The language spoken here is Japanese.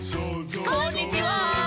「こんにちは」